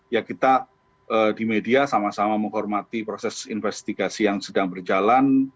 ya kita di media sama sama menghormati proses investigasi yang sedang berjalan